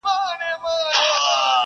ټول د فرنګ له ربابونو سره لوبي کوي؛